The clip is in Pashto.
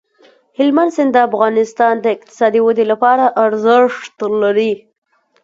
هلمند سیند د افغانستان د اقتصادي ودې لپاره ارزښت لري.